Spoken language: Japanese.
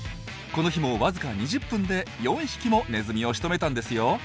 この日もわずか２０分で４匹もネズミをしとめたんですよ。